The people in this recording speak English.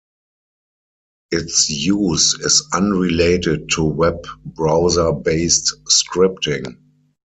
Its use is unrelated to web browser-based scripting.